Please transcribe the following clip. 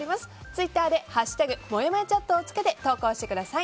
ツイッターで「＃もやもやチャット」をつけて投稿してください。